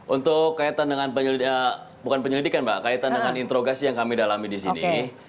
untuk kaitan dengan penyelidikan bukan penyelidikan mbak kaitan dengan interogasi yang kami dalami di sini